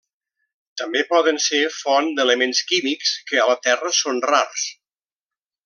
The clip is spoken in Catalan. També poden ser font d'elements químics que a la Terra són rars.